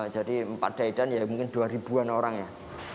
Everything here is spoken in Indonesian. jadi empat daidan ya mungkin dua ribu an orang ya